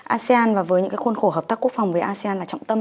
asean và với những khuôn khổ hợp tác quốc phòng với asean là trọng tâm